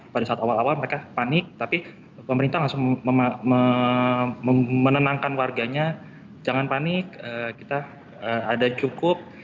pada saat awal awal mereka panik tapi pemerintah langsung menenangkan warganya jangan panik kita ada cukup